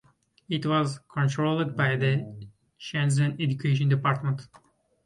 It was controlled by the Shenzhen Education Department.